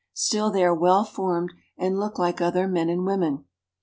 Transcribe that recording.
Still they are well formed, and look like other men and women.